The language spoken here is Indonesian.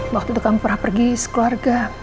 waktu itu kamu pernah pergi sekeluarga